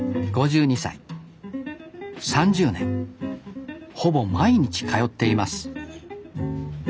３０年ほぼ毎日通っています